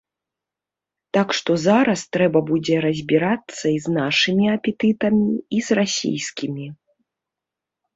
Так што зараз трэба будзе разбірацца і з нашымі апетытамі, і з расійскімі.